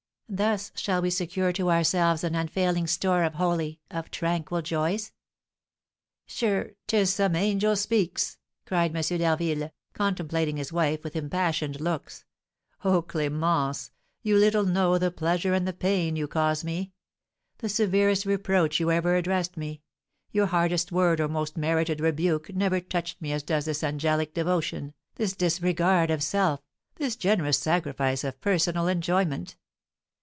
Thus shall we secure to ourselves an unfailing store of holy, of tranquil joys." "Sure, 'tis some angel speaks!" cried M. d'Harville, contemplating his wife with impassioned looks. "Oh, Clémence, you little know the pleasure and the pain you cause me. The severest reproach you ever addressed me your hardest word or most merited rebuke never touched me as does this angelic devotion, this disregard of self, this generous sacrifice of personal enjoyment.